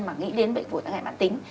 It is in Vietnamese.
mà nghĩ đến bệnh phối tăng hẹn bản tính